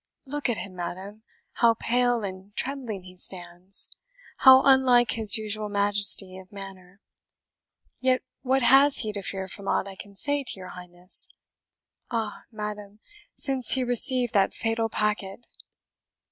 Look at him, madam, how pale and trembling he stands! how unlike his usual majesty of manner! yet what has he to fear from aught I can say to your Highness? Ah! madam, since he received that fatal packet!"